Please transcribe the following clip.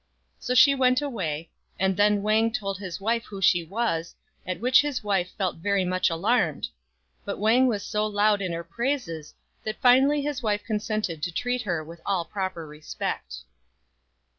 So she went away, and then Wang told his wife who she was, at which his wife felt very much alarmed; but Wang was so loud in her praises, that finally his wife consented to treat her with all proper respect.